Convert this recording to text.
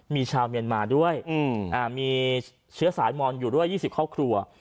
มีชาวเมียนมาด้วยมีเชื้อสายมอนอยู่ด้วย๒๐ครอบครัว